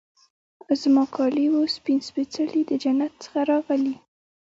زما کالي وه سپین سپيڅلي د جنت څخه راغلي